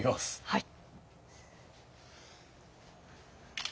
はい。